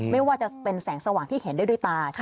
ไม่ว่าจะเป็นแสงสว่างที่เห็นได้ด้วยตา